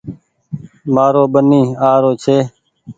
مآرو ٻني آ رو ڇي